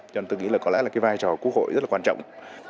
cho nên tôi nghĩ là có lẽ là cái vai trò quốc hội rất là quan trọng